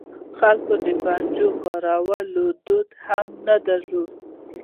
خلکو د پنجو کارولو دود هم نه درلود.